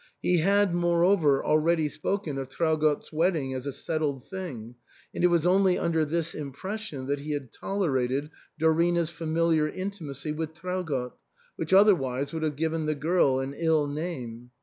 He had moreover already spoken of Traugott's wedding as a settled thing ; and it was only under this impression that he had tolerated Dorina's familiar intimacy with Traugott, which other wise would have given the girl an ill name.